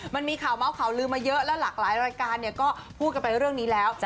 มันมีข่าวเมาส์ข่าวลืมมาเยอะแล้วหลากหลายรายการเนี่ยก็พูดกันไปเรื่องนี้แล้ว